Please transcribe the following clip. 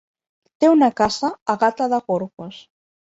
Té una casa a Gata de Gorgos.